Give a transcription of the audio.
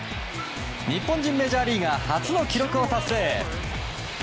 日本人メジャーリーガー初の記録を達成。